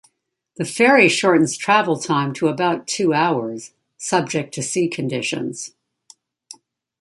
The ferry shortens travel time to about two hours, subject to sea conditions.